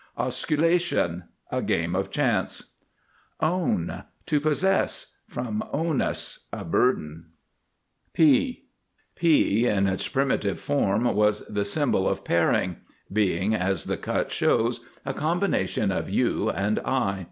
OSCULATION. A game of chance. OWN. To possess. From onus, a burden. P [Illustration: P] in its primitive form was the symbol of pairing, being, as the cut shows, a combination of U and I.